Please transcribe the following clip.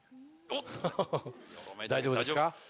大丈夫ですか？